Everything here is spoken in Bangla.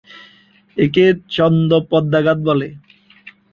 একে ছদ্ম পক্ষাঘাত বলে।